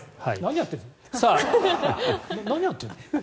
何やってるの？